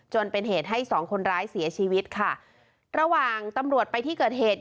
จนเป็นเหตุให้สองคนร้ายเสียชีวิตค่ะระหว่างตำรวจไปที่เกิดเหตุ